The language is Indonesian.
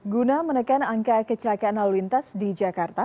guna menekan angka kecelakaan lalu lintas di jakarta